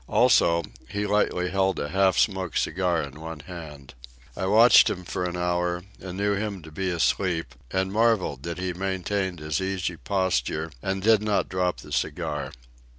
Also, he lightly held a half smoked cigar in one hand. I watched him for an hour, and knew him to be asleep, and marvelled that he maintained his easy posture and did not drop the cigar.